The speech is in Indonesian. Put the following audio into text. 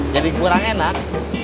jadi kurang enak